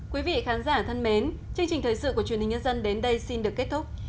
quý vị khán giả thân mến chương trình thời sự của truyền hình nhân dân đến đây xin được kết thúc